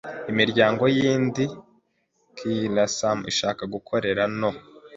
Imiryango yindi ya Kiyisilamu ishaka gukorera no